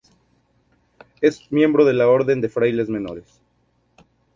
Es miembro de la Orden de Frailes Menores.